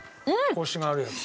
コシがあるやつ。